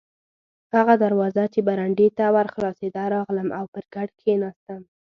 هغه دروازه چې برنډې ته ور خلاصېده، راغلم او پر کټ کښېناستم.